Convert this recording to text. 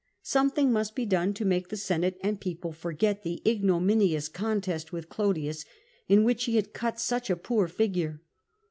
Some thing must be done to make the Senate and People forget the ignominious contest with Clodius, in which he had cut such a poor figure.